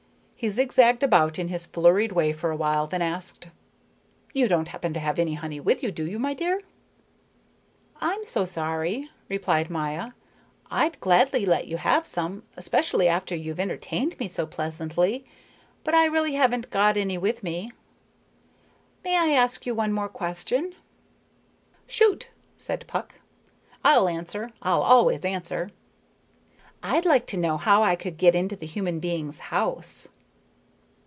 He zigzagged about in his flurried way for a while, then asked: "You don't happen to have any honey with you, do you, my dear?" "I'm so sorry," replied Maya. "I'd gladly let you have some, especially after you've entertained me so pleasantly, but I really haven't got any with me. May I ask you one more question?" "Shoot," said Puck. "I'll answer, I'll always answer." "I'd like to know how I could get into a human being's house."